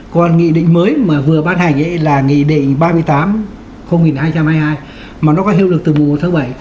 còn nghị định mới mà vừa bán hành ấy là nghị định ba mươi tám hai trăm hai mươi hai mà nó có hiệu lực từ vùng một bảy